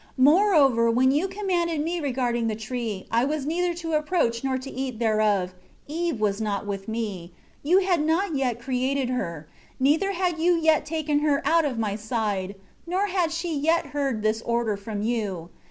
12 Moreover, when You commanded me regarding the tree, I was neither to approach nor to eat thereof, Eve was not with me; You had not yet created her, neither had You yet taken her out of my side; nor had she yet heard this order from you.